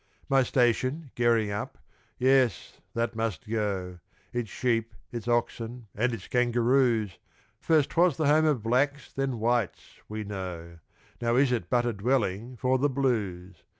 My station "Gerringhup" yes, that must go, Its sheep, its oxen, and its kangaroos, First 'twas the home of blacks, then whites, we know, Now is it but a dwelling for "the blues."